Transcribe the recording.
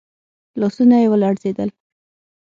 لاسونه يې ولړزېدل.